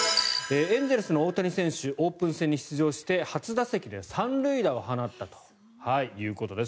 エンゼルスの大谷選手オープン戦に出場して初打席で３塁打を放ったということです。